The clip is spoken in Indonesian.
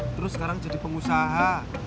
terus sekarang jadi pengusaha